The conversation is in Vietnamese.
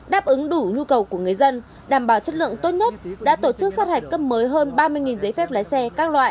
đáp ứng đủ nhu cầu của người dân đảm bảo chất lượng tốt nhất đã tổ chức sát hạch cấp mới hơn ba mươi giấy phép lái xe các loại